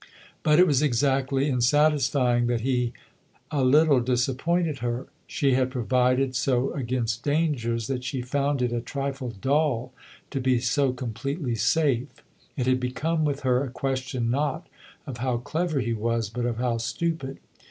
But it was exactly in satisfying that he a little disappointed her : she 128 THE OTHER HOUSE had provided so against dangers that she found it a trifle dull to be so completely safe. It had become with her a question not of how clever he was, but of how stupid.